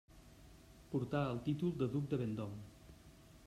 Portà el títol de duc de Vendôme.